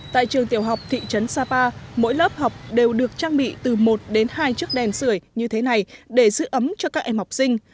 tại trường tiểu học thị trấn sapa mỗi lớp học đều được trang bị từ một đến hai chiếc đèn sửa như thế này để giữ ấm cho các em học sinh